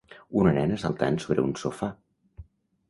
Una nena saltant sobre un sofà.